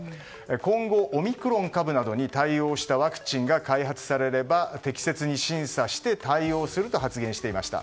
今後、オミクロン株などに対応したワクチンが開発されれば適切に審査して対応すると発言していました。